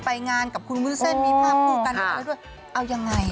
มีภาพกูกันกันเขาดูว่าเอายังไง